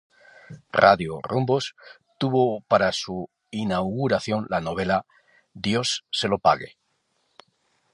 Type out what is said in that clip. Radio Rumbos tuvo para su inauguración la novela "¡Dios se lo pague!